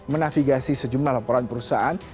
mengindigasi sejumlah laporan perusahaan